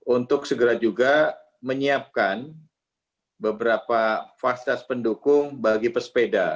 untuk segera juga menyiapkan beberapa fasilitas pendukung bagi pesepeda